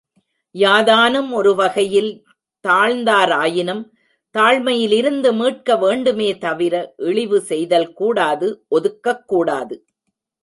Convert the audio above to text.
யாதானும் ஒருவகையில் தாழ்ந்தாராயினும் தாழ்மையிலிருந்து மீட்க வேண்டுமே தவிர, இழிவு செய்தல் கூடாது ஒதுக்கக் கூடாது.